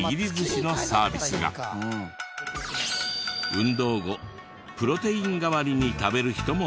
運動後プロテイン代わりに食べる人も多いそうだ。